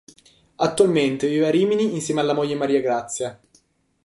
Attualmente vive a Rimini insieme alla moglie Maria Grazia.